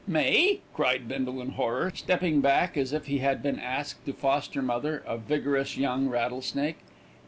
"Me!" cried Bindle in horror, stepping back as if he had been asked to foster mother a vigorous young rattlesnake.